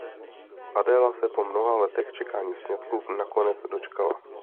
Adéla se po mnoha letech čekání sňatku nakonec dočkala.